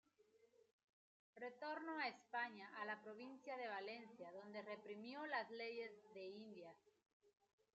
Retornó a España, a la provincia de Valencia, donde reimprimió las "Leyes de Indias".